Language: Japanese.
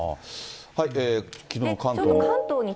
きのう関東に。